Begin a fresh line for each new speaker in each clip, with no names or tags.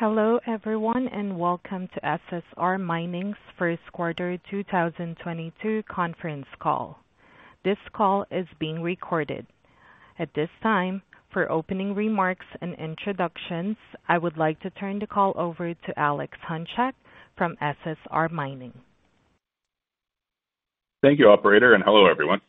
Hello everyone, and welcome to SSR Mining's first quarter 2022 conference call. This call is being recorded. At this time, for opening remarks and introductions, I would like to turn the call over to Alex Hunchak from SSR Mining.
Thank you, operator, and hello everyone.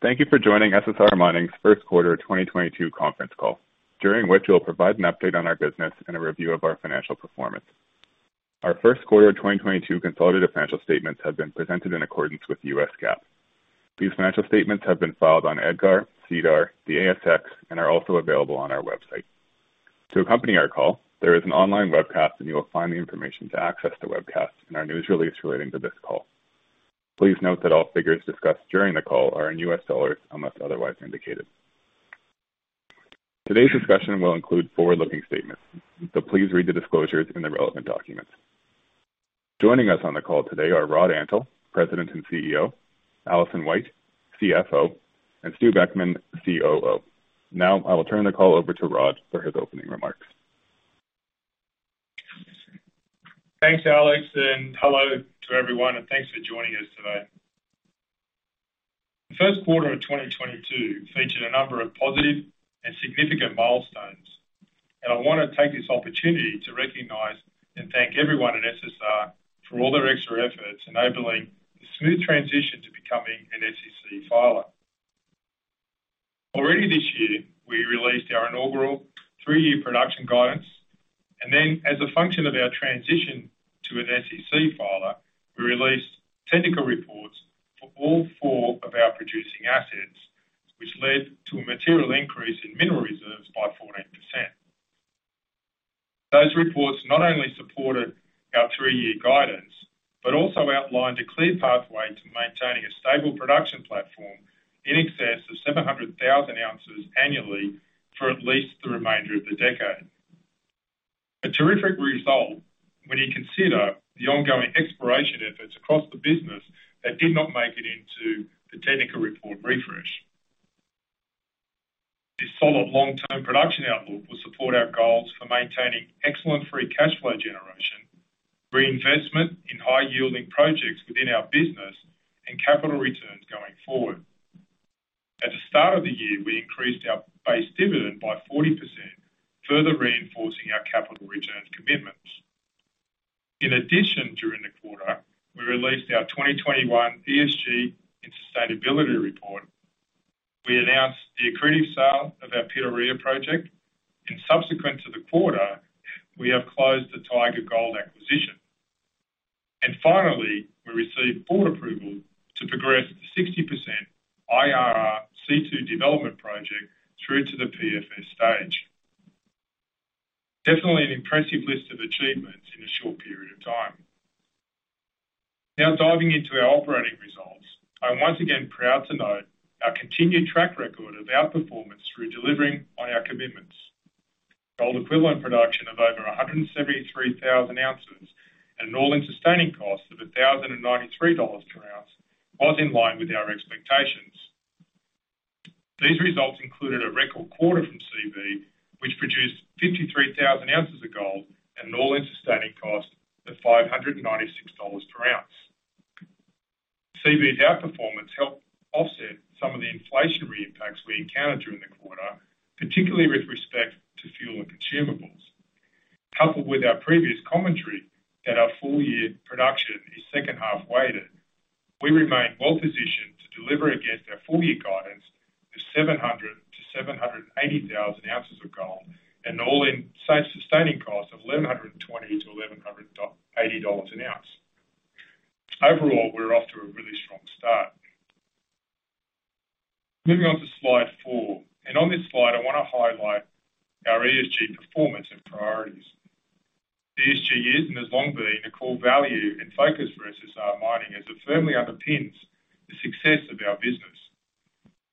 Thank you for joining SSR Mining's first quarter of 2022 conference call, during which we'll provide an update on our business and a review of our financial performance. Our first quarter of 2022 consolidated financial statements have been presented in accordance with U.S. GAAP. These financial statements have been filed on EDGAR, SEDAR, the ASX, and are also available on our website. To accompany our call, there is an online webcast, and you will find the information to access the webcast in our news release relating to this call. Please note that all figures discussed during the call are in U.S. dollars, unless otherwise indicated. Today's discussion will include forward-looking statements, so please read the disclosures in the relevant documents. Joining us on the call today are Rod Antal, President and CEO, Alison White, CFO, and Stu Beckman, COO. Now, I will turn the call over to Rod for his opening remarks.
Thanks, Alex, and hello to everyone, and thanks for joining us today. The first quarter of 2022 featured a number of positive and significant milestones, and I wanna take this opportunity to recognize and thank everyone at SSR for all their extra efforts enabling the smooth transition to becoming an SEC filer. Already this year, we released our inaugural three-year production guidance, and then as a function of our transition to an SEC filer, we released technical reports for all four of our producing assets, which led to a material increase in mineral reserves by 14%. Those reports not only supported our three-year guidance but also outlined a clear pathway to maintaining a stable production platform in excess of 700,000 oz annually for at least the remainder of the decade. A terrific result when you consider the ongoing exploration efforts across the business that did not make it into the technical report refresh. This solid long-term production outlook will support our goals for maintaining excellent free cash flow generation, reinvestment in high-yielding projects within our business, and capital returns going forward. At the start of the year, we increased our base dividend by 40%, further reinforcing our capital returns commitments. In addition, during the quarter, we released our 2021 ESG and sustainability report. We announced the accretive sale of our Pitarrilla project. Subsequent to the quarter, we have closed the Taiga Gold acquisition. Finally, we received board approval to progress the 60% IRR C2 development project through to the PFS stage. Definitely an impressive list of achievements in a short period of time. Now diving into our operating results. I am once again proud to note our continued track record of outperformance through delivering on our commitments. Gold equivalent production of over 173,000 oz at an all-in sustaining cost of $1,093 per oz was in line with our expectations. These results included a record quarter from Çöpler, which produced 53,000 oz of gold and an all-in sustaining cost of $596 per oz. Çöpler outperformance helped offset some of the inflationary impacts we encountered during the quarter, particularly with respect to fuel and consumables. Coupled with our previous commentary that our full year production is second half-weighted, we remain well-positioned to deliver against our full year guidance of 700 oz-780,000 oz of gold and all-in sustaining cost of $1,120-$1,180 per oz. Overall, we're off to a really strong start. Moving on to slide four. On this slide I wanna highlight our ESG performance and priorities. ESG is, and has long been, a core value and focus for SSR Mining as it firmly underpins the success of our business.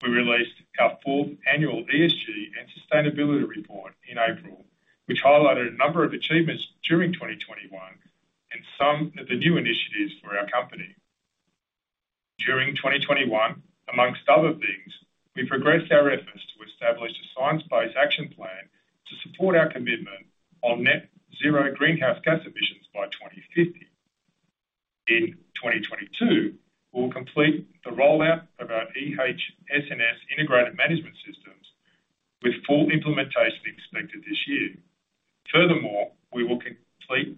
We released our fourth annual ESG and sustainability report in April, which highlighted a number of achievements during 2021 and some of the new initiatives for our company. During 2021, among other things, we progressed our efforts to establish a science-based action plan to support our commitment on net zero greenhouse gas emissions by 2050. In 2022, we'll complete the rollout of our EHSS integrated management systems with full implementation expected this year. Furthermore, we will complete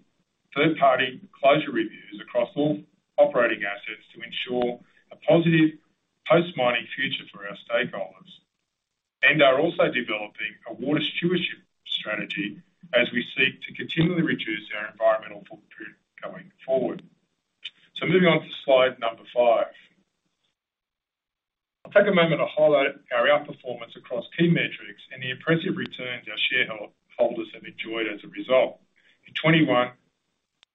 third-party closure reviews across all operating assets to ensure a positive post-mining future for our stakeholders, and are also developing a water stewardship strategy as we seek to continually reduce our environmental footprint going forward. Moving on to slide number five. I'll take a moment to highlight our outperformance across key metrics and the impressive returns our shareholders have enjoyed as a result. In 2021,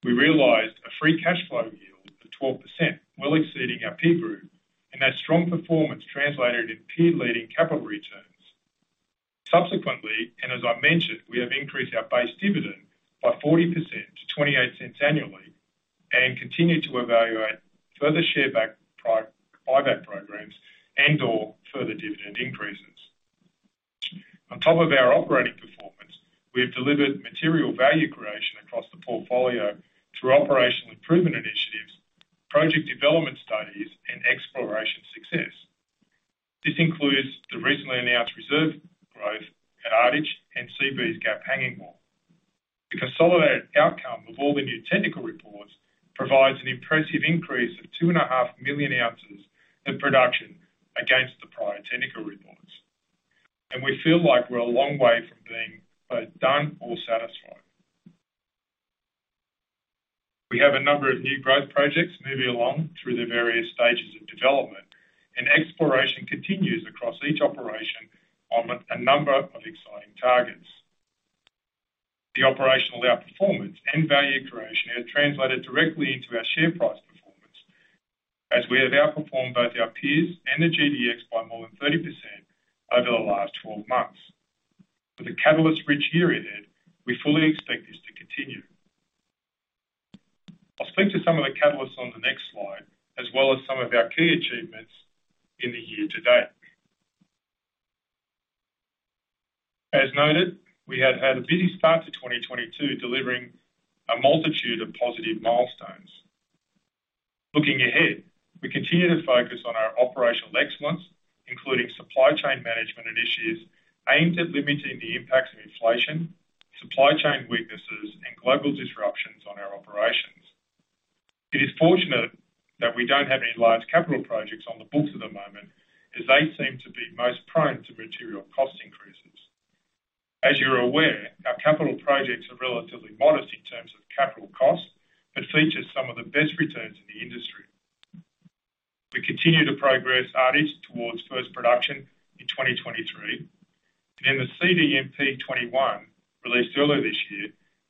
we realized a free cash flow yield of 12%, well exceeding our peer group, and that strong performance translated in peer-leading capital returns. Subsequently, and as I mentioned, we have increased our base dividend by 40% to $0.28 annually. We continue to evaluate further buyback programs and or further dividend increases. On top of our operating performance, we have delivered material value creation across the portfolio through operational improvement initiatives, project development studies, and exploration success. This includes the recently announced reserve growth at Ardich and Seabee Gap Hangingwall. The consolidated outcome of all the new technical reports provides an impressive increase of 2.5 million ounces of production against the prior technical reports. We feel like we're a long way from being both done or satisfied. We have a number of new growth projects moving along through the various stages of development, and exploration continues across each operation on a number of exciting targets. The operational outperformance and value creation has translated directly into our share price performance as we have outperformed both our peers and the GDX by more than 30% over the last 12 months. With a catalyst-rich year ahead, we fully expect this to continue. I'll speak to some of the catalysts on the next slide, as well as some of our key achievements in the year to date. As noted, we have had a busy start to 2022, delivering a multitude of positive milestones. Looking ahead, we continue to focus on our operational excellence, including supply chain management initiatives aimed at limiting the impacts of inflation, supply chain weaknesses, and global disruptions on our operations. It is fortunate that we don't have any large capital projects on the books at the moment, as they seem to be most prone to material cost increases. As you're aware, our capital projects are relatively modest in terms of capital costs, but features some of the best returns in the industry. We continue to progress Ardich towards first production in 2023. In the CDMP 2021, released earlier this year,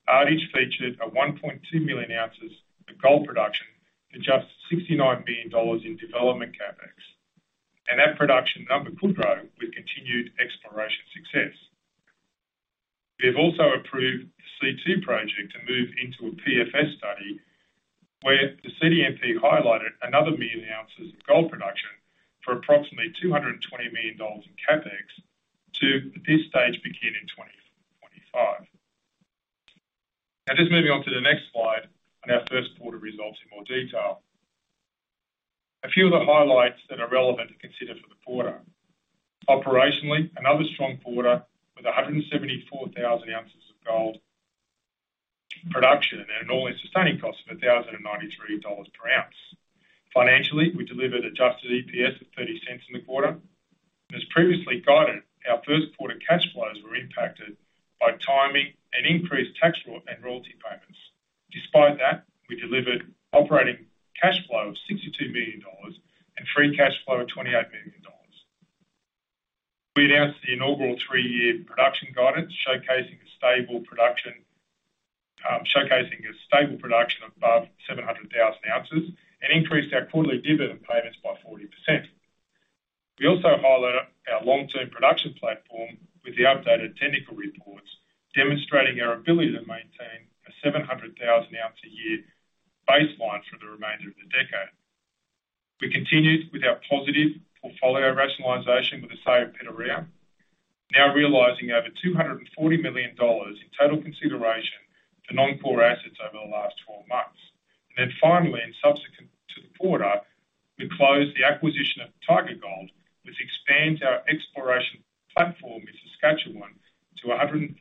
Ardich featured 1.2 million oz of gold production and just $69 million in development CapEx. That production number could grow with continued exploration success. We have also approved the C2 project to move into a PFS study, where the CDMP highlighted another million ounces of gold production for approximately $220 million in CapEx to, at this stage, begin in 2025. Just moving on to the next slide on our first quarter results in more detail. A few of the highlights that are relevant to consider for the quarter. Operationally, another strong quarter with 174,000 oz of gold production at an all-in sustaining cost of $1,093 per oz. Financially, we delivered adjusted EPS of $0.30 in the quarter. As previously guided, our first quarter cash flows were impacted by timing and increased tax and royalty payments. Despite that, we delivered operating cash flow of $62 million and free cash flow of $28 million. We announced the inaugural three-year production guidance, showcasing a stable production above 700,000 oz and increased our quarterly dividend payments by 40%. We also highlight our long-term production platform with the updated technical reports, demonstrating our ability to maintain a 700,000 oz a year baseline for the remainder of the decade. We continued with our positive portfolio rationalization with the sale of Pitarrilla, now realizing over $240 million in total consideration to non-core assets over the last 12 months. Then finally, subsequent to the quarter, we closed the acquisition of Taiga Gold, which expands our exploration platform in Saskatchewan to 131,000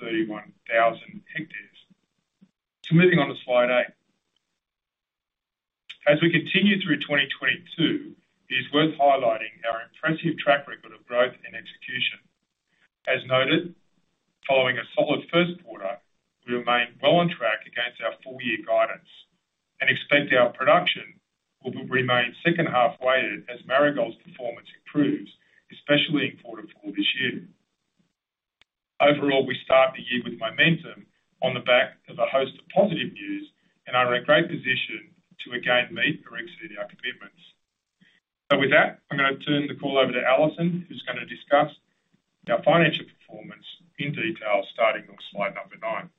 ha. Moving on to slide eight. As we continue through 2022, it is worth highlighting our impressive track record of growth and execution. As noted, following a solid first quarter, we remain well on track against our full year guidance and expect our production will remain second half weighted as Marigold's performance improves, especially in quarter four this year. Overall, we start the year with momentum on the back of a host of positive news and are in a great position to again meet or exceed our commitments. With that, I'm gonna turn the call over to Alison, who's gonna discuss our financial performance in detail starting on slide number nine.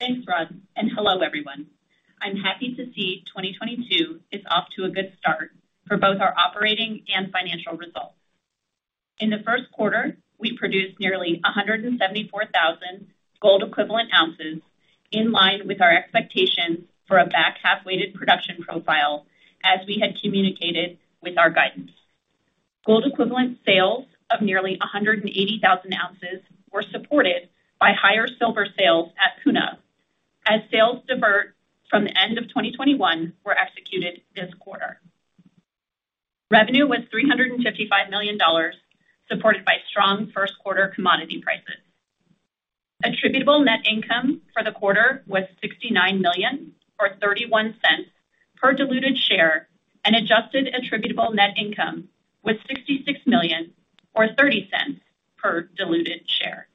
Thanks, Rod, and hello, everyone. I'm happy to see 2022 is off to a good start for both our operating and financial results. In the first quarter, we produced nearly 174,000 gold equivalent oz, in line with our expectation for a back half weighted production profile, as we had communicated with our guidance. Gold equivalent sales of nearly 180,000 oz were supported by higher silver sales at Puna as sales divert from the end of 2021 were executed this quarter. Revenue was $355 million, supported by strong first quarter commodity prices. Attributable net income for the quarter was $69 million or $0.31 per diluted share, and adjusted attributable net income was $66 million or $0.30 per diluted share.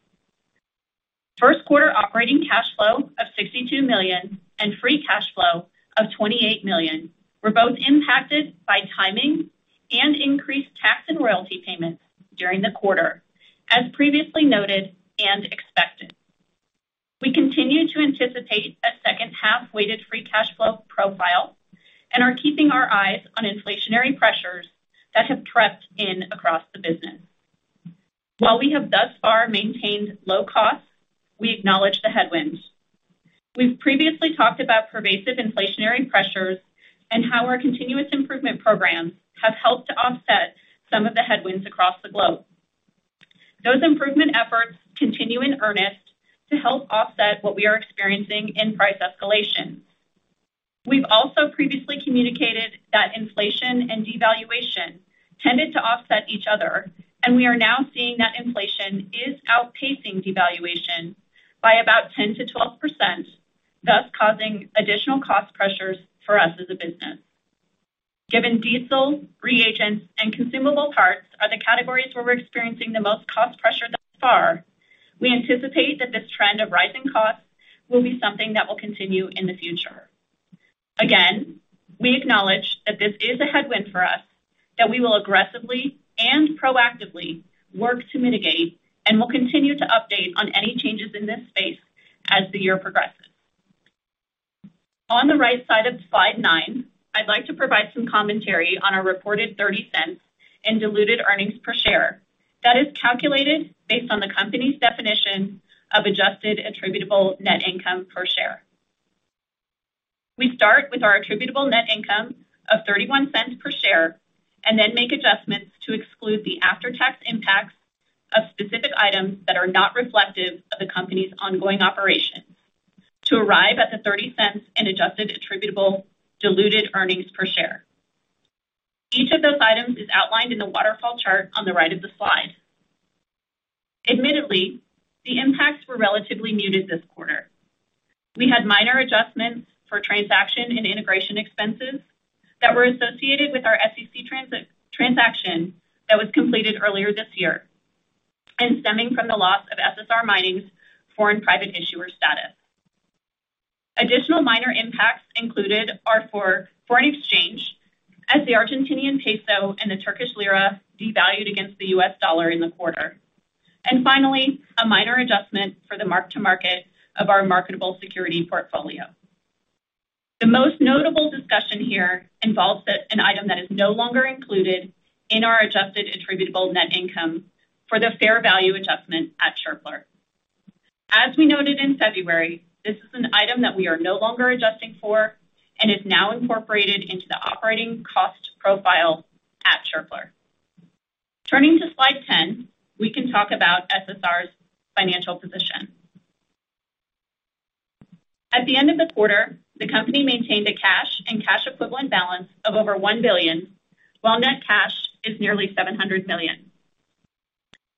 First-quarter operating cash flow of $62 million and free cash flow of $28 million were both impacted by timing and increased tax and royalty payments during the quarter, as previously noted and expected. We continue to anticipate a second-half weighted free cash flow profile and are keeping our eyes on inflationary pressures that have crept in across the business. While we have thus far maintained low costs, we acknowledge the headwinds. We've previously talked about pervasive inflationary pressures and how our continuous improvement programs have helped to offset some of the headwinds across the globe. Those improvement efforts continue in earnest to help offset what we are experiencing in price escalation. We've also previously communicated that inflation and devaluation tended to offset each other, and we are now seeing that inflation is outpacing devaluation by about 10%-12%, thus causing additional cost pressures for us as a business. Given diesel, reagents, and consumable parts are the categories where we're experiencing the most cost pressure thus far, we anticipate that this trend of rising costs will be something that will continue in the future. Again, we acknowledge that this is a headwind for us that we will aggressively and proactively work to mitigate, and we'll continue to update on any changes in this space as the year progresses. On the right side of slide nine, I'd like to provide some commentary on our reported $0.30 in diluted earnings per share that is calculated based on the company's definition of adjusted attributable net income per share. We start with our attributable net income of $0.31 per share and then make adjustments to exclude the after-tax impacts of specific items that are not reflective of the company's ongoing operations. To arrive at the $0.30 in adjusted attributable diluted earnings per share. Each of those items is outlined in the waterfall chart on the right of the slide. Admittedly, the impacts were relatively muted this quarter. We had minor adjustments for transaction and integration expenses that were associated with our SEC transaction that was completed earlier this year and stemming from the loss of SSR Mining's foreign private issuer status. Additional minor impacts included are for foreign exchange, as the Argentinian peso and the Turkish lira devalued against the U.S. dollar in the quarter. Finally, a minor adjustment for the mark-to-market of our marketable security portfolio. The most notable discussion here involves that an item that is no longer included in our adjusted attributable net income for the fair value adjustment at Çöpler. As we noted in February, this is an item that we are no longer adjusting for and is now incorporated into the operating cost profile at Çöpler. Turning to slide 10, we can talk about SSR's financial position. At the end of the quarter, the company maintained a cash and cash equivalent balance of over $1 billion, while net cash is nearly $700 million.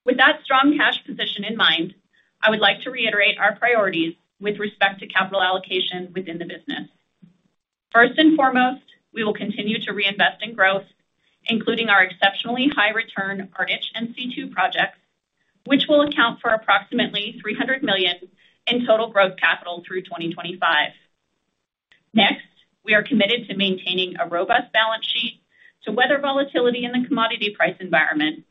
With that strong cash position in mind, I would like to reiterate our priorities with respect to capital allocation within the business. First and foremost, we will continue to reinvest in growth, including our exceptionally high return Ardich and C2 projects, which will account for approximately $300 million in total growth capital through 2025. Next, we are committed to maintaining a robust balance sheet to weather volatility in the commodity price environment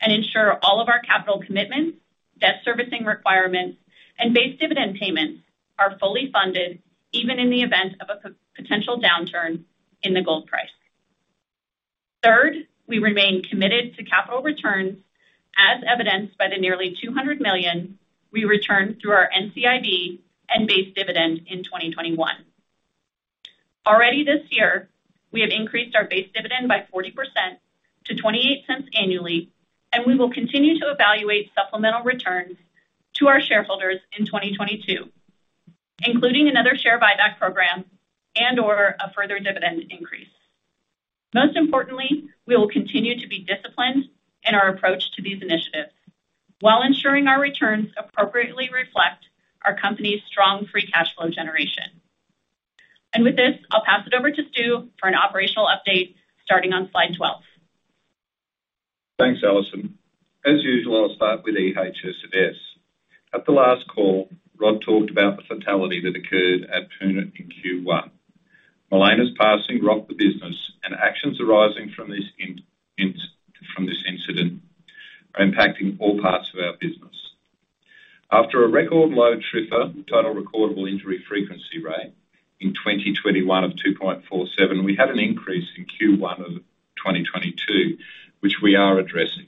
and ensure all of our capital commitments, debt servicing requirements, and base dividend payments are fully funded even in the event of a potential downturn in the gold price. Third, we remain committed to capital returns, as evidenced by the nearly $200 million we returned through our NCIB and base dividend in 2021. Already this year, we have increased our base dividend by 40% to $0.28 annually, and we will continue to evaluate supplemental returns to our shareholders in 2022, including another share buyback program and/or a further dividend increase. Most importantly, we will continue to be disciplined in our approach to these initiatives while ensuring our returns appropriately reflect our company's strong free cash flow generation. With this, I'll pass it over to Stu for an operational update starting on slide 12.
Thanks, Alison. As usual, I'll start with EHSS. At the last call, Rod talked about the fatality that occurred at Puna in Q1. Malena's passing rocked the business and actions arising from this incident are impacting all parts of our business. After a record low TRIR, total recordable injury frequency rate in 2021 of 2.47, we had an increase in Q1 of 2022, which we are addressing.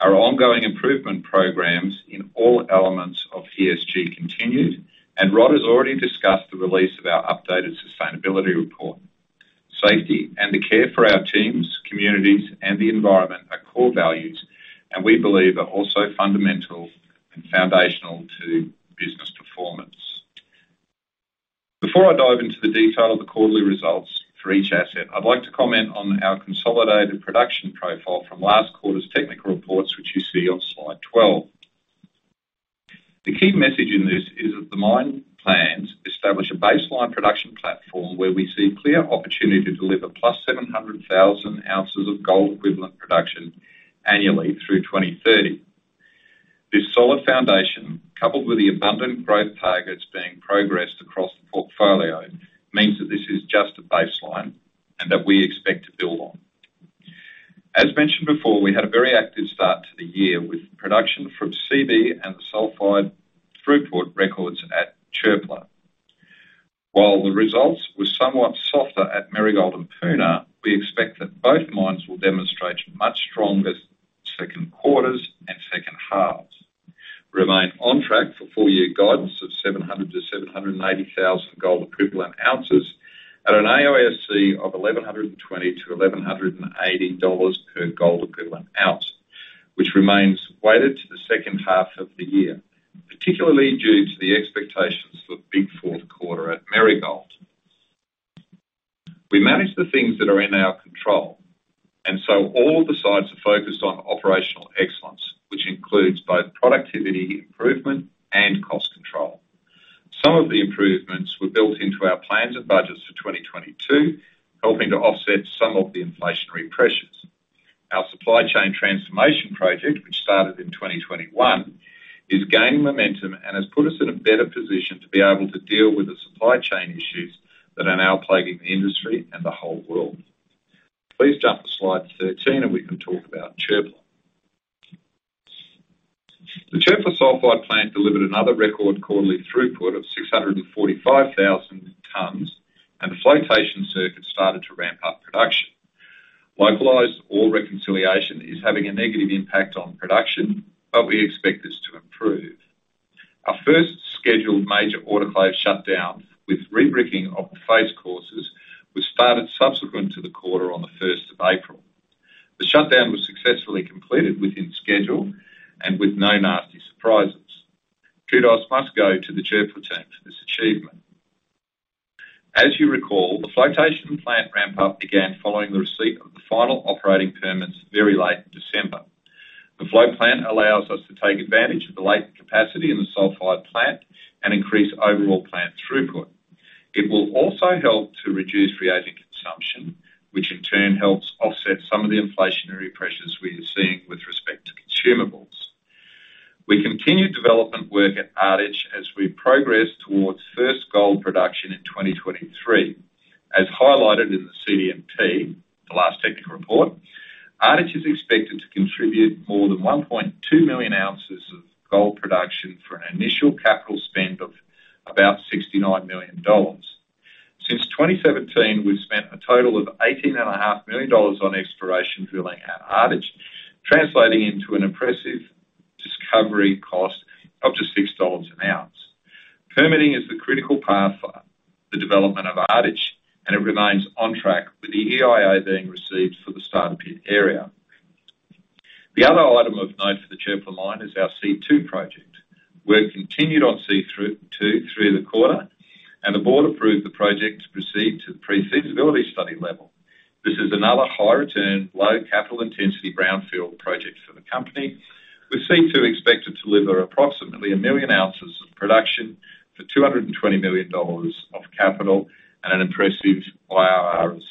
Our ongoing improvement programs in all elements of ESG continued, and Rod has already discussed the release of our updated sustainability report. Safety and the care for our teams, communities, and the environment are core values, and we believe are also fundamental and foundational to business performance. Before I dive into the detail of the quarterly results for each asset, I'd like to comment on our consolidated production profile from last quarter's technical reports, which you see on slide 12. The key message in this is that the mine plans establish a baseline production platform where we see clear opportunity to deliver +700,000 oz of gold equivalent production annually through 2030. This solid foundation, coupled with the abundant growth targets being progressed across the portfolio, means that this is just a baseline and that we expect to build on. As mentioned before, we had a very active start to the year with production from Seabee and the sulfide throughput records at Çöpler. While the results were somewhat softer at Marigold and Puna, we expect that both mines will demonstrate much stronger second quarters and second halves. Remain on track for full-year guidance of 700,000-780,000 gold equivalent oz at an AISC of $1,120-$1,180 per gold equivalent oz, which remains weighted to the second half of the year, particularly due to the expectations for big fourth quarter at Marigold. We manage the things that are in our control, and so all the sites are focused on operational excellence, which includes both productivity improvement and cost control. Some of the improvements were built into our plans and budgets for 2022, helping to offset some of the inflationary pressures. Our supply chain transformation project, which started in 2021, is gaining momentum and has put us in a better position to be able to deal with the supply chain issues that are now plaguing the industry and the whole world. Please jump to slide 13 and we can talk about Çöpler. The Çöpler sulfide plant delivered another record quarterly throughput of 645,000 tons, and the flotation circuit started to ramp up production. Localized ore reconciliation is having a negative impact on production, but we expect this to improve. Our first scheduled major autoclave shutdown with rebricking of the phases was started subsequent to the quarter on the first of April. The shutdown was successfully completed within schedule and with no nasty surprises. Kudos must go to the Çöpler team for this achievement. As you recall, the flotation plant ramp up began following the receipt of the final operating permits very late in December. The float plant allows us to take advantage of the latent capacity in the sulfide plant and increase overall plant throughput. It will also help to reduce reagent consumption, which in turn helps offset some of the inflationary pressures we are seeing with respect to consumables. We continue development work at Ardich as we progress towards first gold production in 2023. As highlighted in the CDMP, the last technical report, Ardich is expected to contribute more than 1.2 million oz of gold production for an initial capital spend of about $69 million. Since 2017, we've spent a total of $18.5 million on exploration drilling at Ardich, translating into an impressive discovery cost of just $6 an oz. Permitting is the critical path for the development of Ardich, and it remains on track with the EIA being received for the start pit area. The other item of note for the Çöpler mine is our C2 project. Work continued on C2 through the quarter, and the board approved the project to proceed to the pre-feasibility study level. This is another high return, low capital intensity brownfield project for the company. With C2 expected to deliver approximately 1 million oz of production for $220 million of capital and an impressive IRR of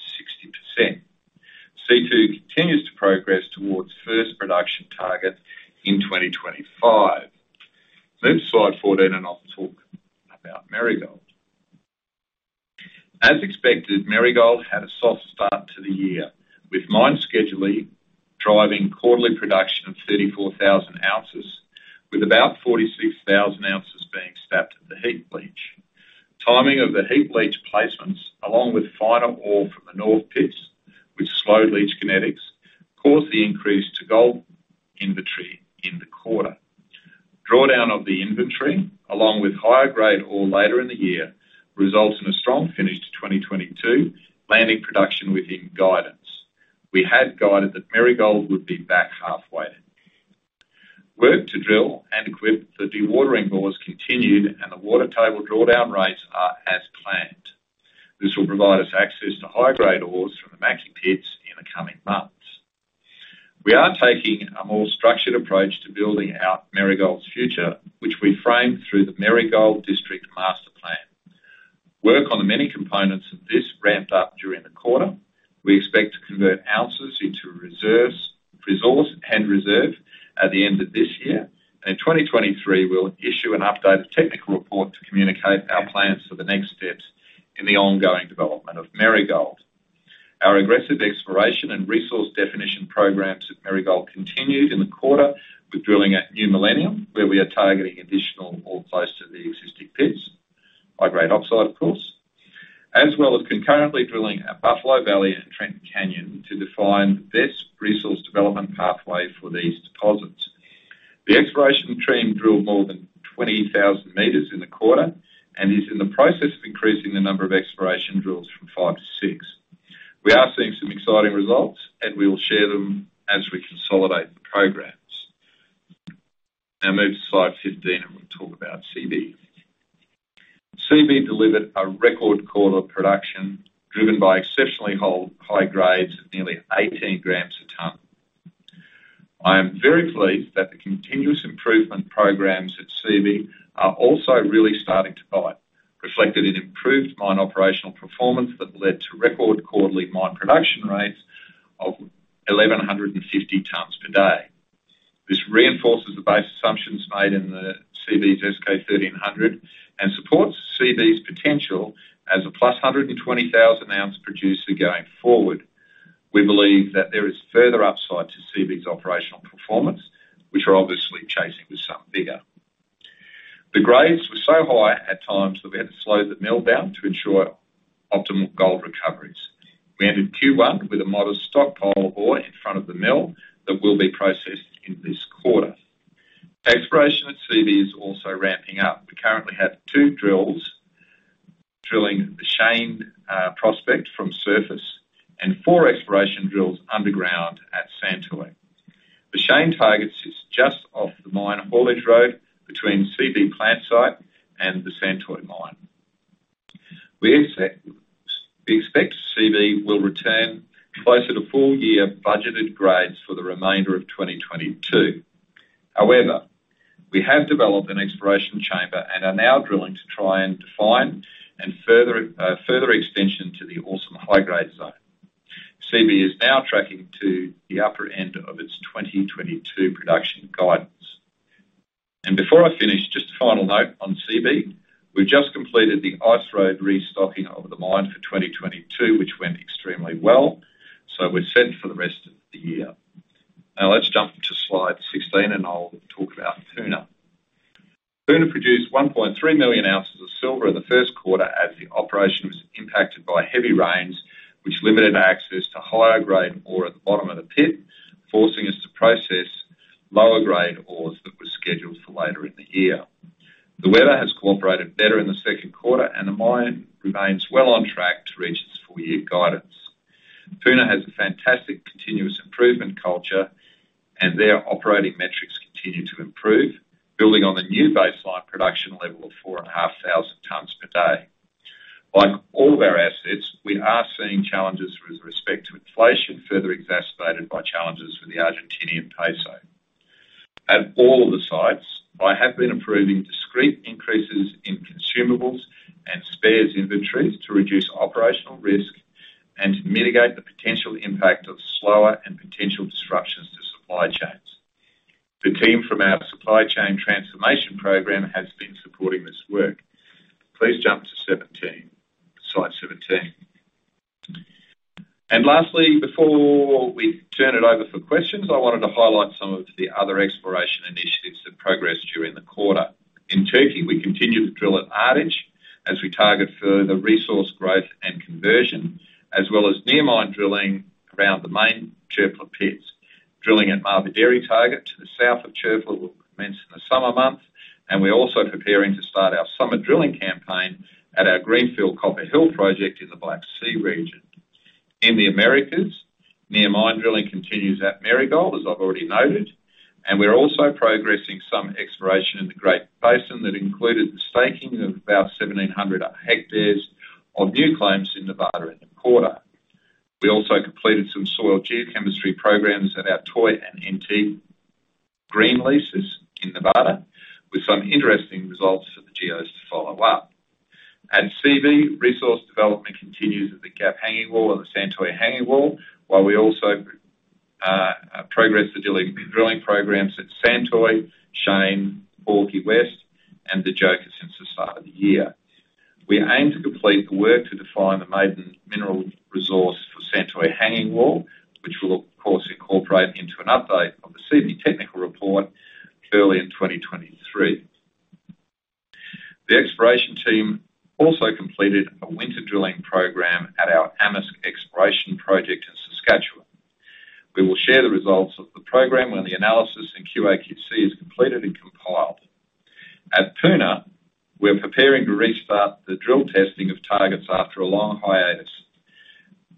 60%. C2 continues to progress towards first production targets in 2025. Move to slide 14 and I'll talk about Marigold. As expected, Marigold had a soft start to the year, with mine scheduling driving quarterly production of 34,000 oz, with about 46,000 oz being stacked at the heap leach. Timing of the heap leach placements, along with finer ore from the north pits, which slowed leach kinetics, caused the increase to gold inventory in the quarter. Drawdown of the inventory, along with higher-grade ore later in the year, results in a strong finish to 2022, landing production within guidance. We had guided that Marigold would be back half weighted. Work to drill and equip the dewatering bores continued and the water table drawdown rates are as planned. This will provide us access to high-grade ores from the Maxine pits in the coming months. We are taking a more structured approach to building out Marigold's future, which we framed through the Marigold District Master Plan. Work on the many components of this ramped up during the quarter. We expect to convert ounces into reserves, resource, and reserve at the end of this year. In 2023, we'll issue an updated technical report to communicate our plans for the next steps in the ongoing development of Marigold. Our aggressive exploration and resource definition programs at Marigold continued in the quarter with drilling at New Millennium, where we are targeting additional ore close to the existing pits, high-grade oxide, of course, as well as concurrently drilling at Buffalo Valley and Trenton Canyon to define the best resource development pathway for these deposits. The exploration team drilled more than 20,000 m in the quarter and is in the process of increasing the number of exploration drills from five to six. We are seeing some exciting results, and we will share them as we consolidate the programs. Now move to slide 15 and we'll talk about Seabee. Seabee delivered a record quarter of production driven by exceptionally high grades of nearly 18 g/t. I am very pleased that the continuous improvement programs at Seabee are also really starting to bite, reflected in improved mine operational performance that led to record quarterly mine production rates of 1,150 tons per day. This reinforces the base assumptions made in the Seabee's S-K 1300 and supports Seabee's potential as a +120,000 oz producer going forward. We believe that there is further upside to Seabee's operational performance, which we're obviously chasing with some vigor. The grades were so high at times that we had to slow the mill down to ensure optimal gold recoveries. We ended Q1 with a modest stockpile ore in front of the mill that will be processed in this quarter. The exploration at Seabee is also ramping up. We currently have two drills drilling the Shane prospect from surface and four exploration drills underground at Santoy. The Shane target sits just off the mine haulage road between Seabee plant site and the Santoy mine. We expect Seabee will return closer to full year budgeted grades for the remainder of 2022. However, we have developed an exploration chamber and are now drilling to try and define and further extension to the Ozone high-grade zone. Seabee is now tracking to the upper end of its 2022 production guidance. Before I finish, just a final note on Seabee. We just completed the ice road restocking of the mine for 2022, which went extremely well, so we're set for the rest of the year. Now let's jump to slide 16, and I'll talk about Puna. Puna produced 1.3 million oz of silver in the first quarter as the operation was impacted by heavy rains, which limited access to higher-grade ore at the bottom of the pit, forcing us to process lower-grade ores that were scheduled for later in the year. The weather has cooperated better in the second quarter, and the mine remains well on track to reach its full-year guidance. Puna has a fantastic continuous improvement culture, and their operating metrics continue to improve, building on the new baseline production level of 4,500 tons per day. Like all of our assets, we are seeing challenges with respect to inflation, further exacerbated by challenges with the Argentinian peso. At all of the sites, I have been approving discrete increases in consumables and spares inventories to reduce operational risk and to mitigate the potential impact of slower and potential disruptions to supply chains. The team from our supply chain transformation program has been supporting this work. Please jump to 17. Slide 17. Lastly, before we turn it over for questions, I wanted to highlight some of the other exploration initiatives that progressed during the quarter. In Turkey, we continue to drill at Ardich as we target further resource growth and conversion, as well as near mine drilling around the main Çöpler pits. Drilling at Mavidere target to the south of Çöpler will commence in the summer months, and we're also preparing to start our summer drilling campaign at our greenfield Copper Hill project in the Black Sea region. In the Americas, near mine drilling continues at Marigold, as I've already noted, and we're also progressing some exploration in the Great Basin that included the staking of about 1,700 ha of new claims in Nevada in the quarter. We also completed some soil geochemistry programs at our Troy and NT green leases in Nevada, with some interesting results for the geos to follow up. At Seabee, resource development continues at the Seabee Gap Hangingwall and the Santoy Hangingwall, while we also progress the drilling programs at Santoy, Shane, Porky West, and the Joker since the start of the year. We aim to complete the work to define the maiden mineral resource for Santoy Hangingwall, which we'll of course incorporate into an update of the Seabee technical report early in 2023. The exploration team also completed a winter drilling program at our Amisk exploration project in Saskatchewan. We will share the results of the program when the analysis in QAQC is completed and compiled. At Puna, we're preparing to restart the drill testing of targets after a long hiatus.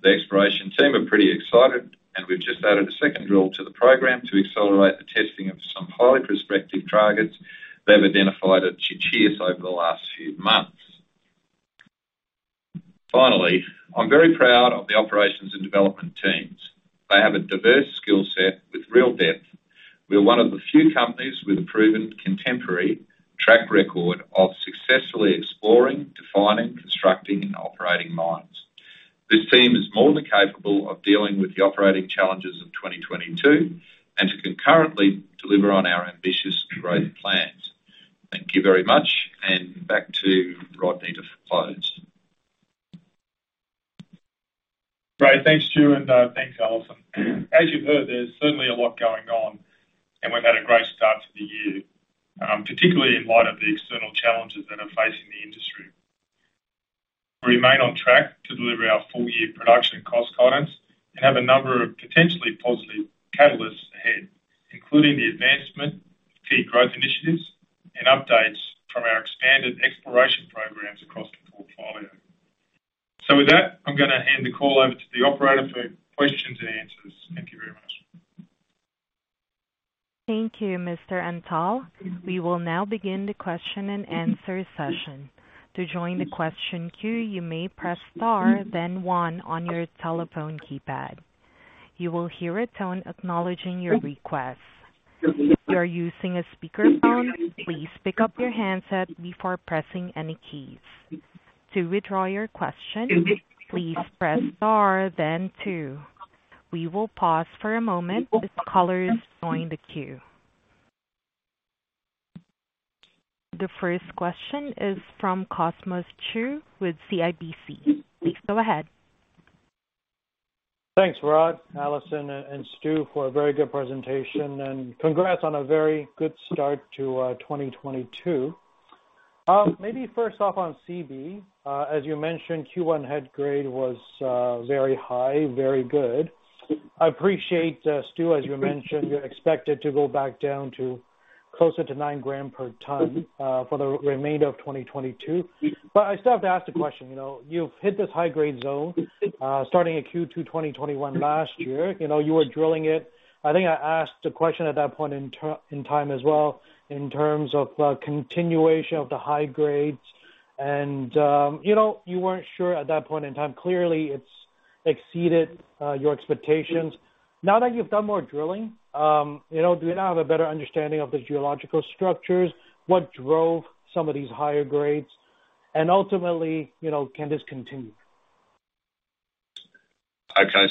The exploration team are pretty excited, and we've just added a second drill to the program to accelerate the testing of some highly prospective targets they've identified at Chinchillas over the last few months. Finally, I'm very proud of the operations and development teams. They have a diverse skill set with real depth. We are one of the few companies with a proven contemporary track record of successfully exploring, defining, constructing, and operating mines. This team is more than capable of dealing with the operating challenges of 2022 and to concurrently deliver on our ambitious growth plans. Thank you very much, and back to Rodney to close.
Great. Thanks, Stu, and thanks, Alison. As you've heard, there's certainly a lot going on, and we've had a great start to the year, particularly in light of the external challenges that are facing the industry. We remain on track to deliver our full-year production cost guidance and have a number of potentially positive catalysts ahead, including the advancement of key growth initiatives and updates from our expanded exploration programs across the portfolio. With that, I'm gonna hand the call over to the operator for questions and answers. Thank you very much.
Thank you, Rod Antal. We will now begin the question and answer session. To join the question queue, you may press star then one on your telephone keypad. You will hear a tone acknowledging your request. If you are using a speakerphone, please pick up your handset before pressing any keys. To withdraw your question, please press star then two. We will pause for a moment with callers joining the queue. The first question is from Cosmos Chiu with CIBC. Please go ahead.
Thanks, Rod, Alison, and Stu, for a very good presentation and congrats on a very good start to 2022. Maybe first off on Seabee. As you mentioned, Q1 head grade was very high, very good. I appreciate, Stu, as you mentioned, you're expected to go back down to closer to 9 g/t for the remainder of 2022. I still have to ask the question, you know, you've hit this high grade zone starting at Q2 2021 last year. You know, you were drilling it. I think I asked the question at that point in time as well in terms of continuation of the high grades and, you know, you weren't sure at that point in time. Clearly, it's exceeded your expectations. Now that you've done more drilling, you know, do you now have a better understanding of the geological structures? What drove some of these higher grades? Ultimately, you know, can this continue?
Okay.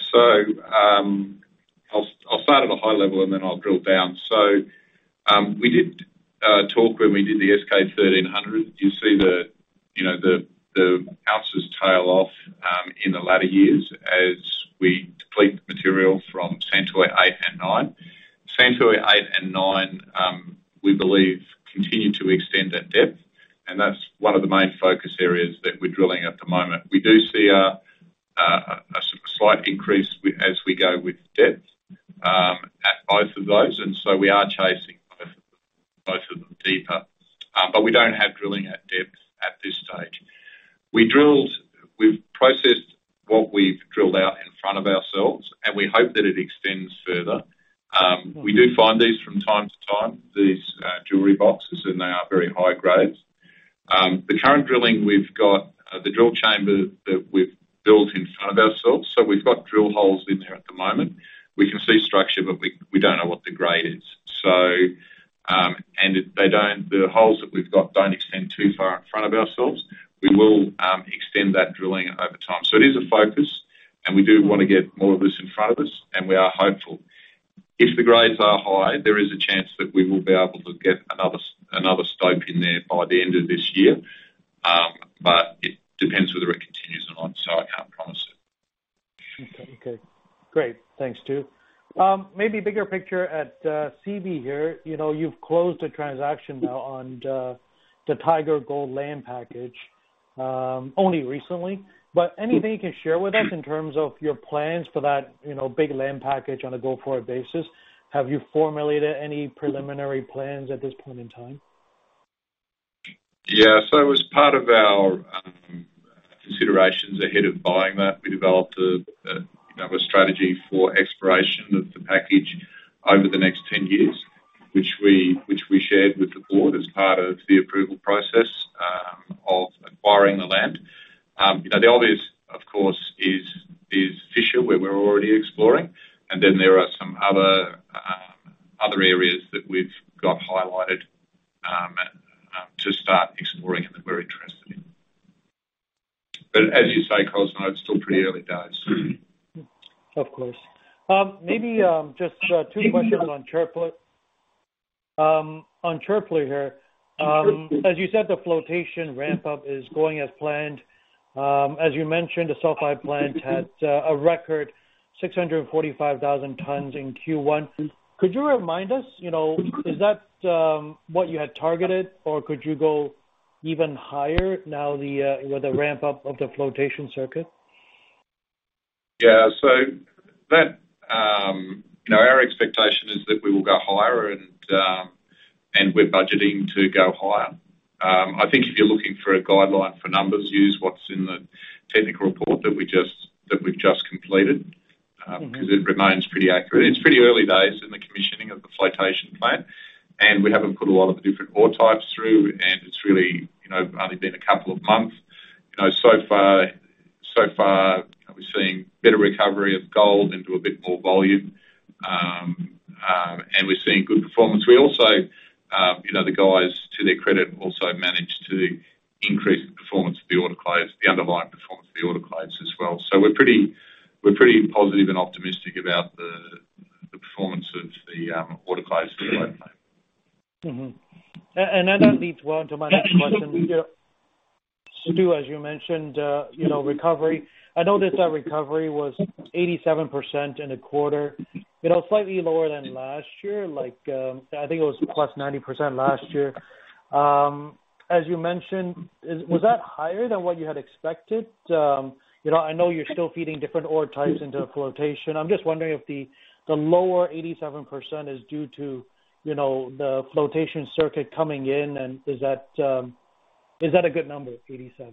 I'll start at a high level, and then I'll drill down. We did talk when we did the S-K 1300. You see the, you know, the ounces tail off in the latter years as we deplete material from Santoy 8 and 9. Santoy 8 and 9 we believe continue to extend at depth, and that's one of the main focus areas that we're drilling at the moment. We do see a slight increase as we go with depth at both of those, and so we are chasing from time to time, these jewelry boxes, and they are very high grades. The current drilling we've got, the drill chamber that we've built in front of ourselves, so we've got drill holes in there at the moment. We can see structure, but we don't know what the grade is. The holes that we've got don't extend too far in front of ourselves. We will extend that drilling over time. It is a focus, and we do wanna get more of this in front of us, and we are hopeful. If the grades are high, there is a chance that we will be able to get another stope in there by the end of this year, but it depends whether it continues or not, so I can't promise it.
Okay. Good. Great. Thanks, Stu. Maybe bigger picture at Seabee here. You know, you've closed a transaction now on the Taiga Gold land package only recently. Anything you can share with us in terms of your plans for that big land package on a go-forward basis? Have you formulated any preliminary plans at this point in time?
Yeah. As part of our considerations ahead of buying that, we developed a strategy for exploration of the package over the next 10 years, which we shared with the board as part of the approval process of acquiring the land. You know, the obvious, of course, is Fisher, where we're already exploring, and then there are some other areas that we've got highlighted to start exploring and that we're interested in. As you say, Cosmos, it's still pretty early days.
Of course. Maybe just two questions on Çöpler. On Çöpler here, as you said, the flotation ramp-up is going as planned. As you mentioned, the sulfide plant has a record 645,000 tons in Q1. Could you remind us, you know, is that what you had targeted, or could you go even higher now with the ramp-up of the flotation circuit?
Yeah. That you know, our expectation is that we will go higher, and we're budgeting to go higher. I think if you're looking for a guideline for numbers, use what's in the technical report that we've just completed.
Mm-hmm.
'Cause it remains pretty accurate. It's pretty early days in the commissioning of the flotation plant, and we haven't put a lot of the different ore types through, and it's really, you know, only been a couple of months. You know, so far, we're seeing better recovery of gold into a bit more volume, and we're seeing good performance. We also, you know, the guys, to their credit, also managed to increase the performance of the autoclaves, the underlying performance of the autoclaves as well. So we're pretty positive and optimistic about the performance of the autoclaves going forward.
That leads well into my next question. Stu, as you mentioned, recovery. I noticed that recovery was 87% in the quarter. You know, slightly lower than last year, like, I think it was plus 90% last year. As you mentioned, was that higher than what you had expected? You know, I know you're still feeding different ore types into the flotation. I'm just wondering if the lower 87% is due to, you know, the flotation circuit coming in, and is that a good number, 87%?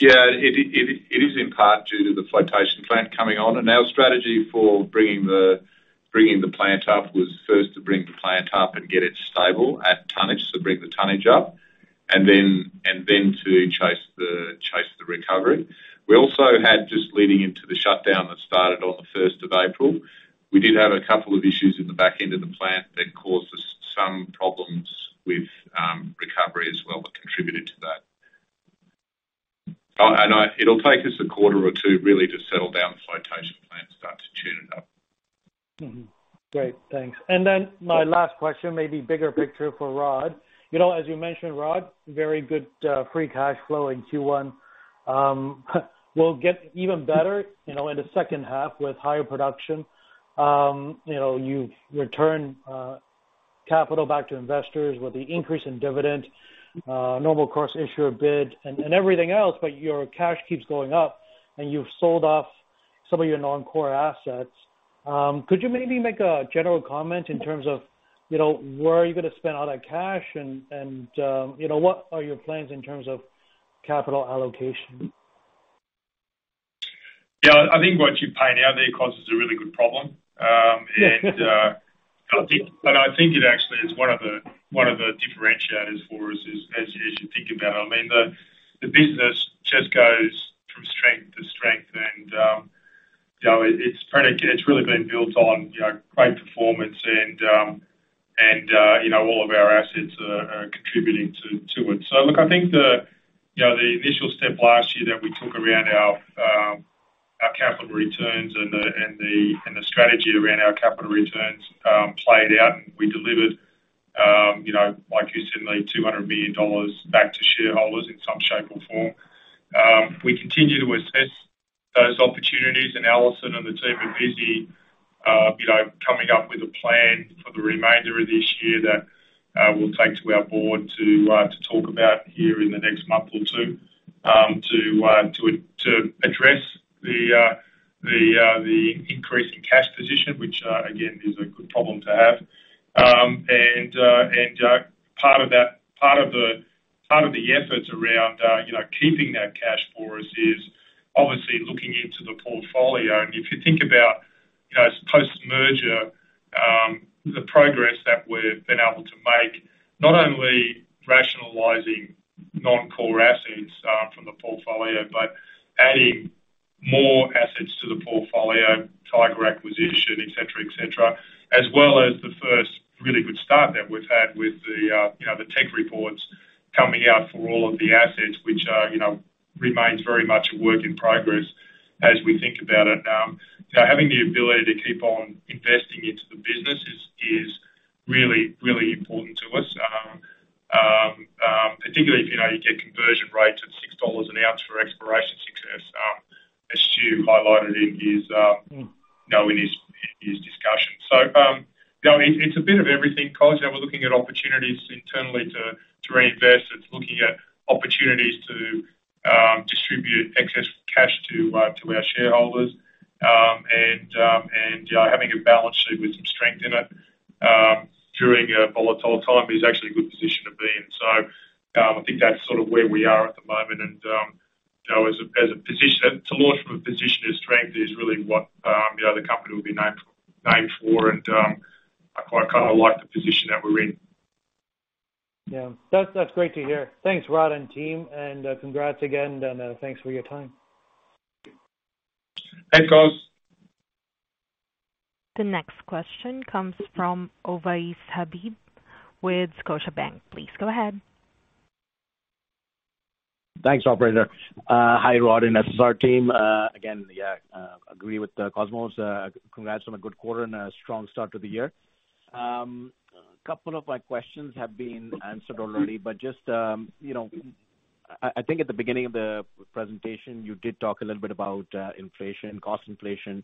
Yeah. It is in part due to the flotation plant coming on. Our strategy for bringing the plant up was first to bring the plant up and get it stable at tonnage, so bring the tonnage up. To chase the recovery. We also had, just leading into the shutdown that started on the first of April, we did have a couple of issues in the back end of the plant that caused us some problems with recovery as well that contributed to that. It'll take us a quarter or two really to settle down the flotation plant, start to tune it up.
Great, thanks. Then my last question, maybe bigger picture for Rod. You know, as you mentioned, Rod, very good free cash flow in Q1. Will get even better, you know, in the second half with higher production. You know, you've returned capital back to investors with the increase in dividend, normal course issuer bid and everything else, but your cash keeps going up, and you've sold off some of your non-core assets. Could you maybe make a general comment in terms of, you know, where are you gonna spend all that cash and, you know, what are your plans in terms of capital allocation?
Yeah. I think what you're paying out there, Kos, is a really good problem. I think it actually is one of the differentiators for us, as you think about it. I mean, the business just goes from strength to strength and, you know, it's really been built on, you know, great performance and, you know, all of our assets are contributing to it. Look, I think the initial step last year that we took around our capital returns and the strategy around our capital returns played out, and we delivered, you know, like you said, nearly $200 billion back to shareholders in some shape or form. We continue to assess those opportunities, and Alison and the team are busy, you know, coming up with a plan for the remainder of this year that we'll take to our board to address the increase in cash position, which again is a good problem to have. Part of the efforts around, you know, keeping that cash for us is obviously looking into the portfolio. If you think about, you know, post-merger, the progress that we've been able to make, not only rationalizing non-core assets from the portfolio, but adding more assets to the portfolio, Taiga acquisition, et cetera, et cetera, as well as the first really good start that we've had with the, you know, the tech reports coming out for all of the assets, which, you know, remains very much a work in progress as we think about it. You know, having the ability to keep on investing into the business is really important to us, particularly if, you know, you get conversion rates at $6 an oz for exploration success, as Stu highlighted in his discussion. You know, it's a bit of everything, Kos. You know, we're looking at opportunities internally to reinvest. It's looking at opportunities to distribute excess cash to our shareholders. You know, having a balance sheet with some strength in it during a volatile time is actually a good position to be in. I think that's sort of where we are at the moment. You know, as a position to launch from a position of strength is really what you know, the company will be known for. I quite kind of like the position that we're in.
Yeah. That's great to hear. Thanks, Rod and team, and congrats again, and thanks for your time.
Thanks, Cos.
The next question comes from Ovais Habib with Scotiabank. Please go ahead.
Thanks, operator. Hi, Rod and SSR team. Again, yeah, agree with Cosmos. Congrats on a good quarter and a strong start to the year. A couple of my questions have been answered already, but just, you know, I think at the beginning of the presentation, you did talk a little bit about inflation, cost inflation.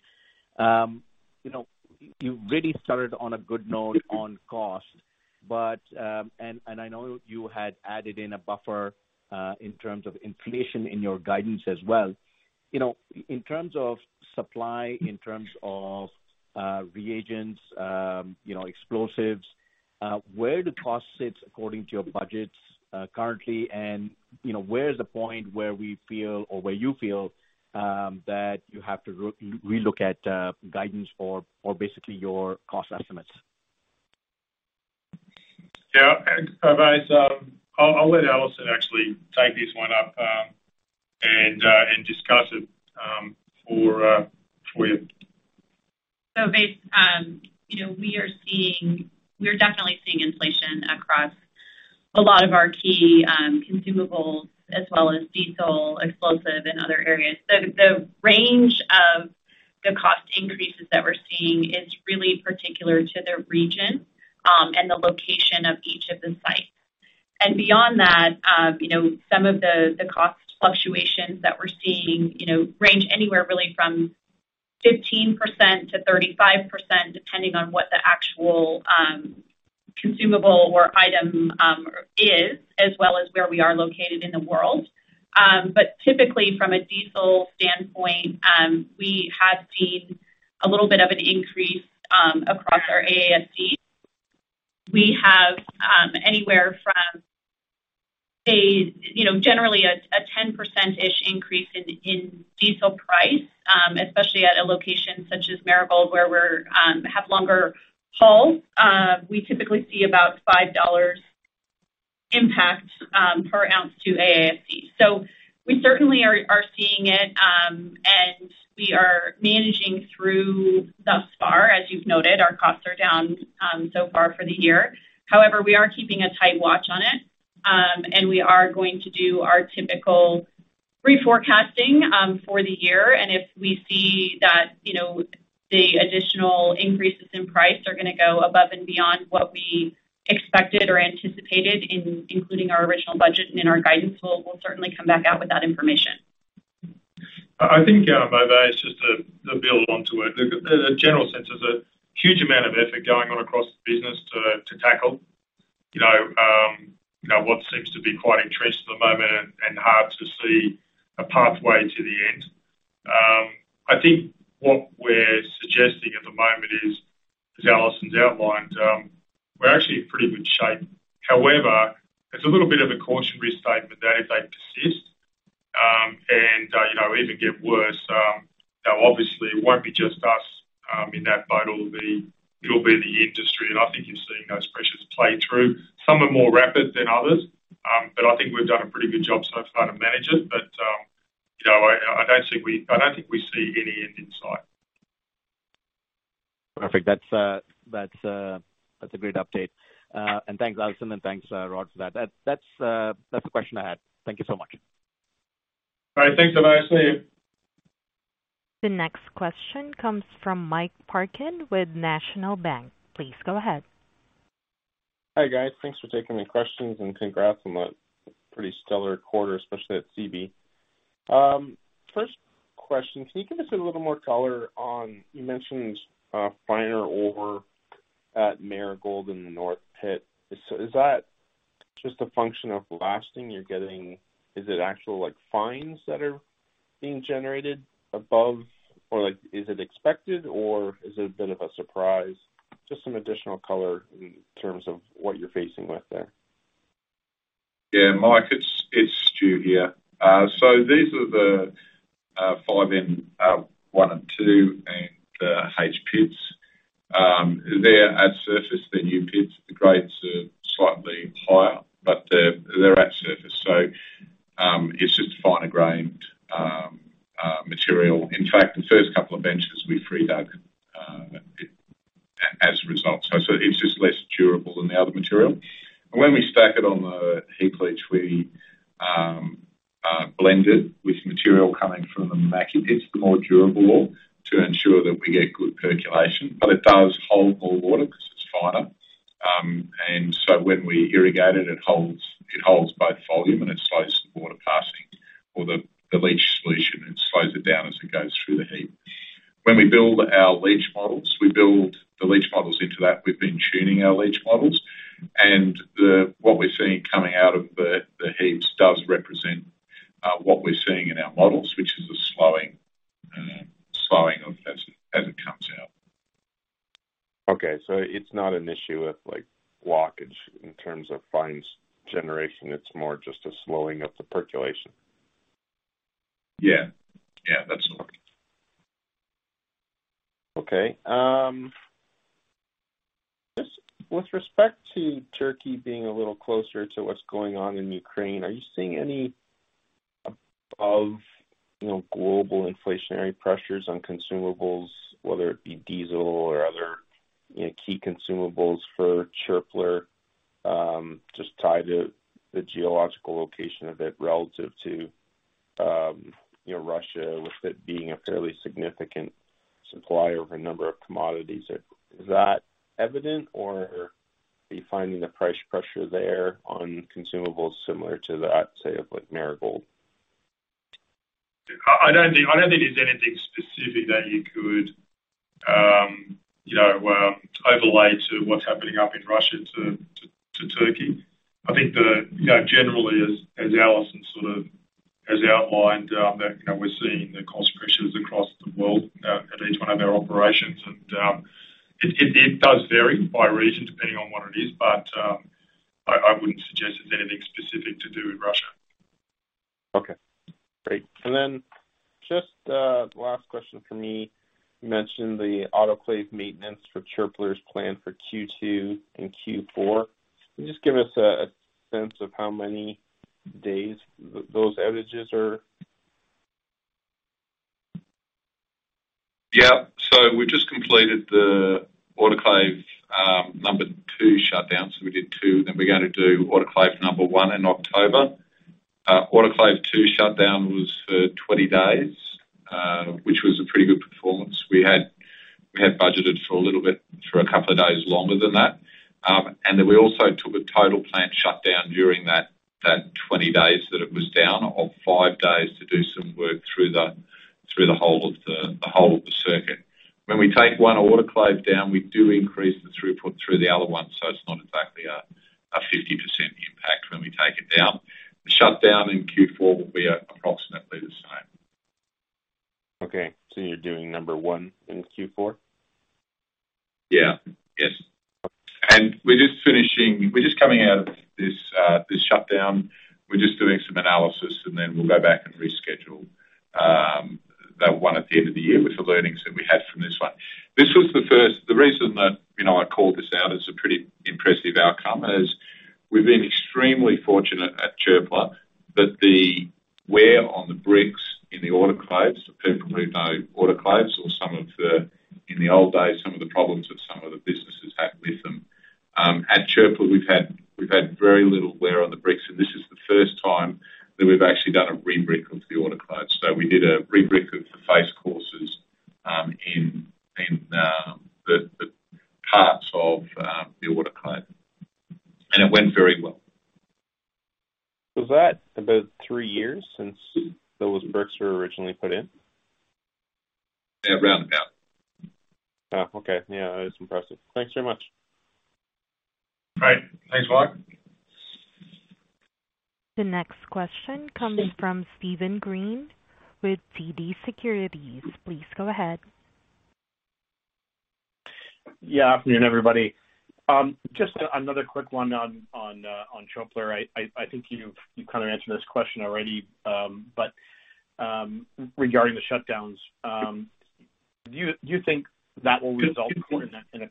You know, you really started on a good note on cost, but, and I know you had added in a buffer in terms of inflation in your guidance as well. You know, in terms of supply, in terms of reagents, you know, explosives, where do costs sit according to your budgets currently? You know, where is the point where we feel or where you feel that you have to relook at guidance for basically your cost estimates?
Yeah. Thanks, Ovais. I'll let Alison actually take this one up, and discuss it, for you.
Ovais, you know, we're definitely seeing inflation across a lot of our key consumables as well as diesel, explosives, and other areas. The range of the cost increases that we're seeing is really particular to the region and the location of each of the sites. Beyond that, you know, some of the cost fluctuations that we're seeing, you know, range anywhere really from 15%-35%, depending on what the actual consumable or item is, as well as where we are located in the world. Typically from a diesel standpoint, we have seen a little bit of an increase across our AISC. We have anywhere from, you know, generally 8%-ish increase in diesel price, especially at a location such as Marigold where we have longer hauls. We typically see about $5 impact per oz to AISC. We certainly are seeing it and we are managing through thus far. As you've noted, our costs are down so far for the year. However, we are keeping a tight watch on it and we are going to do our typical reforecasting for the year. If we see that, you know, the additional increases in price are gonna go above and beyond what we expected or anticipated in including our original budget and in our guidance, we'll certainly come back out with that information.
I think, Ovais, it's just to build onto it. The general sense is a huge amount of effort going on across the business to tackle, you know, what seems to be quite entrenched at the moment and hard to see a pathway to the end. I think what we're suggesting at the moment is, as Alison's outlined, we're actually in pretty good shape. However, it's a little bit of a cautionary statement there if they persist and you know, even get worse. You know, obviously it won't be just us in that boat. It'll be the industry. I think you're seeing those pressures play through. Some are more rapid than others, but I think we've done a pretty good job so far to manage it. You know, I don't think we see any end in sight.
Perfect. That's a great update. Thanks, Alison, and thanks, Rod, for that. That's the question I had. Thank you so much.
All right. Thanks so much. See you.
The next question comes from Mike Parkin with National Bank. Please go ahead.
Hi, guys. Thanks for taking the questions, and congrats on that pretty stellar quarter, especially at Seabee. First question, can you give us a little more color on, you mentioned, finer ore at Marigold in the North Pit. Is that just a function of leaching you're getting? Is it actual, like, fines that are being generated above? Or like, is it expected or is it a bit of a surprise? Just some additional color in terms of what you're facing with there.
Yeah, Mike, it's Stu here. These are the 5N, one and two and the H pits. They're at surface. They're new pits. The grades are slightly higher, but they're at surface. It's just finer-grained material. In fact, the first couple of benches we freed up as a result. It's just less durable than the other material. When we stack it on the heap leach, we blend it with material coming from the Mackay pits, the more durable ore, to ensure that we get good percolation. But it does hold more water 'cause it's finer. When we irrigate it holds both volume and it slows the water passing or the leach solution. It slows it down as it goes through the heap. When we build our leach models, we build the leach models into that. We've been tuning our leach models. What we're seeing coming out of the heaps does represent what we're seeing in our models, which is a slowing off as it comes out.
Okay. It's not an issue of, like, blockage in terms of fines generation. It's more just a slowing of the percolation.
Yeah. Yeah, that's right.
Okay. Just with respect to Turkey being a little closer to what's going on in Ukraine, are you seeing any above, you know, global inflationary pressures on consumables, whether it be diesel or other, you know, key consumables for Çöpler, just tied to the geopolitical location of it relative to, you know, Russia, with it being a fairly significant supplier of a number of commodities? Is that evident or are you finding the price pressure there on consumables similar to that, say, of like Marigold?
I don't think there's anything specific that you could, you know, overlay to what's happening up in Russia to Turkey. I think you know, generally as Alison sort of has outlined, that you know, we're seeing the cost pressures across the world at each one of our operations. It does vary by region depending on what it is, but I wouldn't suggest it's anything specific to do with Russia.
Okay. Great. Just the last question from me. You mentioned the autoclave maintenance for Çöpler's plant for Q2 and Q4. Can you just give us a sense of how many days those outages are?
Yeah. We just completed the autoclave number two shutdown. We did two, then we're gonna do autoclave number one in October. Autoclave two shutdown was for 20 days, which was a pretty good performance. We had budgeted for a little bit, for a couple of days longer than that. We also took a total plant shutdown during that 20 days that it was down of five days to do some work through the whole of the circuit. When we take one autoclave down, we do increase the throughput through the other one. It's not exactly a 50% impact when we take it down. The shutdown in Q4 will be approximately the same.
Okay, you're doing number one in Q4?
We're just coming out of this shutdown. We're just doing some analysis, and then we'll go back and reschedule that one at the end of the year with the learnings that we had from this one. This was the first. The reason that, you know, I called this out as a pretty impressive outcome is we've been extremely fortunate at Çöpler that the wear on the bricks in the autoclaves, for people who know autoclaves or some of the, in the old days, some of the problems that some of the businesses had with them. At Çöpler, we've had very little wear on the bricks, and this is the first time that we've actually done a rebrick of the autoclave. We did a rebrick of the face courses in the parts of the autoclave. It went very well.
Was that about three years since those bricks were originally put in?
Yeah, around about.
Oh, okay. Yeah, that is impressive. Thanks very much.
All right. Thanks, Mark.
The next question comes from Steven Green with TD Securities. Please go ahead.
Afternoon, everybody. Just another quick one on Çöpler. I think you've kinda answered this question already, but regarding the shutdowns, do you think that will result in, on a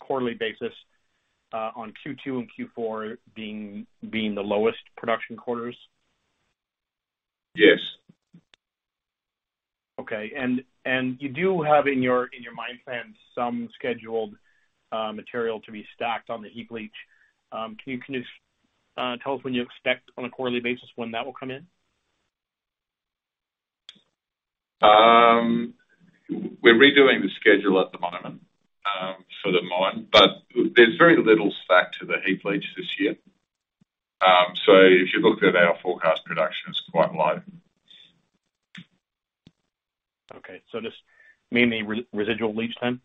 quarterly basis, Q2 and Q4 being the lowest production quarters?
Yes.
Okay. You do have in your mine plans some scheduled material to be stacked on the heap leach. Can you tell us when you expect on a quarterly basis when that will come in?
We're redoing the schedule at the moment for the mine, but there's very little stacked to the heap leach this year. If you looked at our forecast production, it's quite light.
Okay. Just mainly residual leach time?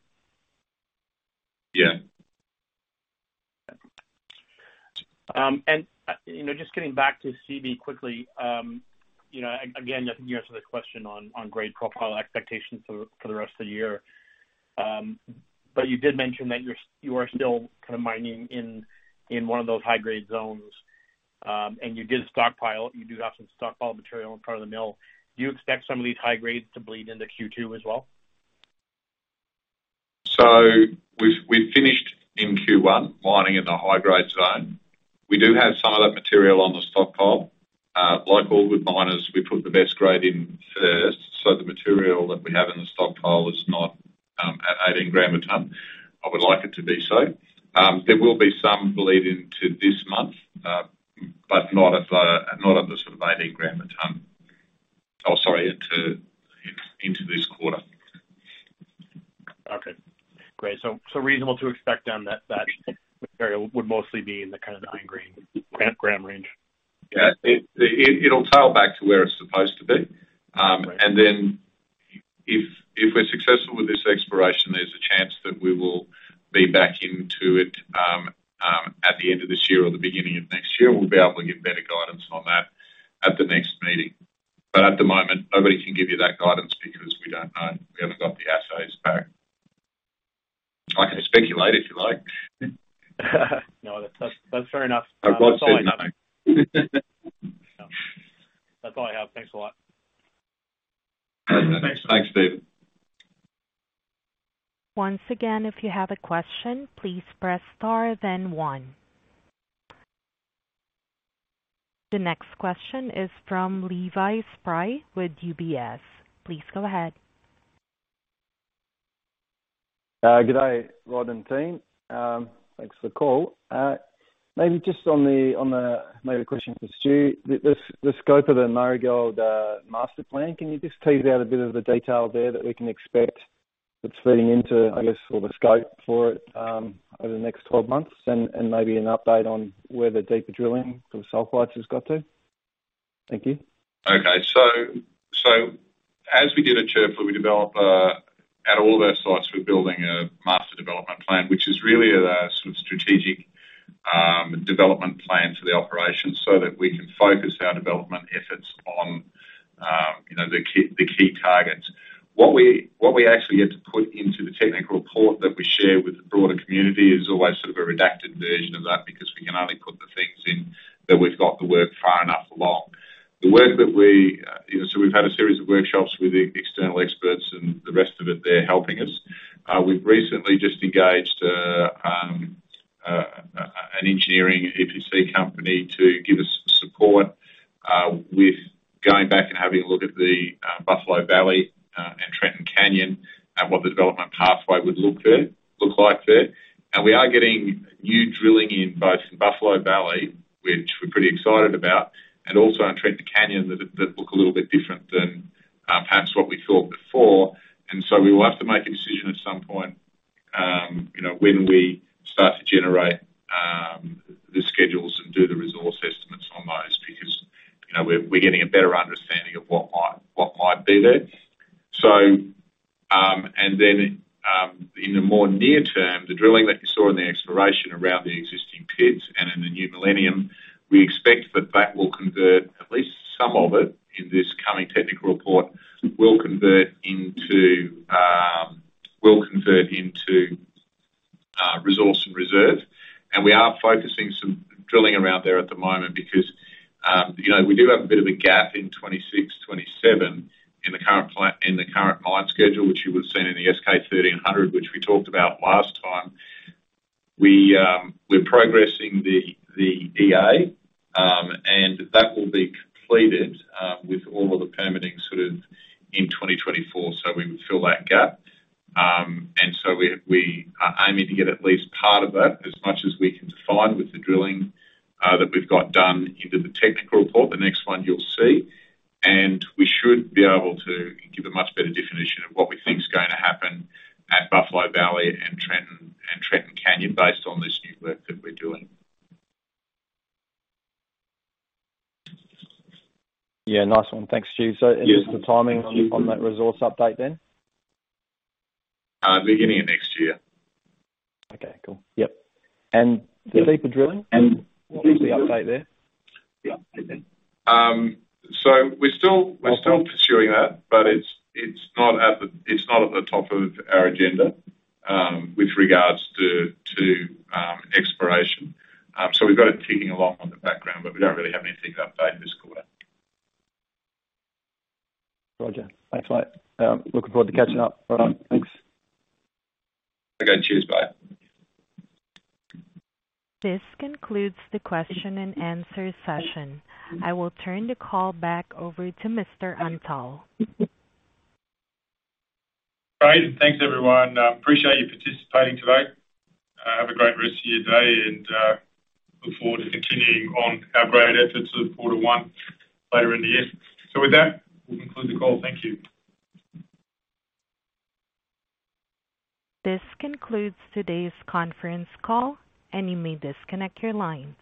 Yeah.
You know, just getting back to Seabee quickly, you know, again, you answered the question on grade profile expectations for the rest of the year. You did mention that you are still kind of mining in one of those high-grade zones. You do have some stockpiled material in front of the mill. Do you expect some of these high grades to bleed into Q2 as well?
We've finished in Q1 mining in the high-grade zone. We do have some of that material on the stockpile. Like all good miners, we put the best grade in first, so the material that we have in the stockpile is not at 18 gram a ton. I would like it to be so. There will be some bleed into this quarter, but not at the sort of 18 gram a ton.
Okay. Great. Reasonable to expect then that material would mostly be in the kind of 9 g range?
Yeah. It'll tail back to where it's supposed to be.
Right.
If we're successful with this exploration, there's a chance that we will be back into it at the end of this year or the beginning of next year. We'll be able to give better guidance on that at the next meeting. At the moment, nobody can give you that guidance because we don't know. We haven't got the assays back. I can speculate if you like.
No, that's fair enough.
I've got something.
That's all I have. Thanks a lot.
Thanks. Thanks, Steven.
Once again, if you have a question, please press star then one. The next question is from Levi Spry with UBS. Please go ahead.
Good day, Rod and team. Thanks for the call. Maybe a question for Stu. The scope of the Marigold master plan, can you just tease out a bit of the detail there that we can expect that's feeding into, I guess, or the scope for it, over the next 12 months and maybe an update on where the deeper drilling for sulfides has got to? Thank you.
As we did at Çöpler, we developed at all of our sites, we're building a master development plan, which is really a sort of strategic development plan for the operation so that we can focus our development efforts on you know the key targets. What we actually had to put into the technical report that we share with the broader community is always sort of a redacted version of that because we can only put the things in that we've got the work far enough along. We've had a series of workshops with the external experts and the rest of it, they're helping us. We've recently just engaged an engineering EPC company to give us support with going back and having a look at the Buffalo Valley and Trenton Canyon and what the development pathway would look like there. We are getting new drilling in both Buffalo Valley, which we're pretty excited about, and also in Trenton Canyon that look a little bit different than perhaps what we thought before. We will have to make a decision at some point, you know, when we start to generate the schedules and do the resource estimates on those because, you know, we're getting a better understanding of what might be there. In the more near term, the drilling that you saw in the exploration around the existing pits and in the new millennium, we expect that will convert, at least some of it in this coming technical report, will convert into resource and reserve. We are focusing some drilling around there at the moment because, you know, we do have a bit of a gap in 2026, 2027 in the current plan in the current mine schedule, which you would have seen in the S-K 1300, which we talked about last time. We're progressing the EA, and that will be completed with all of the permitting sort of in 2024. We would fill that gap. We are aiming to get at least part of that as much as we can define with the drilling that we've got done into the technical report, the next one you'll see. We should be able to give a much better definition of what we think is gonna happen at Buffalo Valley and Trenton, and Trenton Canyon based on this new work that we're doing.
Yeah. Nice one. Thanks, Stu.
Yeah.
Just the timing on that resource update then?
Beginning of next year.
Okay, cool. Yep. The deeper drilling? What was the update there?
We're still pursuing that, but it's not at the top of our agenda with regards to exploration. We've got it ticking along in the background, but we don't really have anything to update in this quarter.
Roger. Thanks a lot. Looking forward to catching up. Right on. Thanks.
Okay. Cheers. Bye.
This concludes the question and answer session. I will turn the call back over to Rodney Antal.
Great. Thanks, everyone. Appreciate you participating today. Have a great rest of your day and look forward to continuing on our great efforts of quarter one later in the year. With that, we'll conclude the call. Thank you.
This concludes today's conference call, and you may disconnect your line.